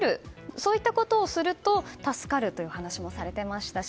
そういうことをすると助かるというお話もされていましたし。